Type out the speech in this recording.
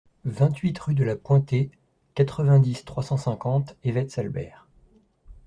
vingt-huit rue de la Pointée, quatre-vingt-dix, trois cent cinquante, Évette-Salbert